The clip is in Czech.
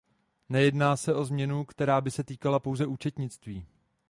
Nejedná se o změnu, která by se týkala pouze účetnictví.